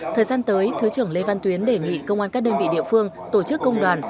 thời gian tới thứ trưởng lê văn tuyến đề nghị công an các đơn vị địa phương tổ chức công đoàn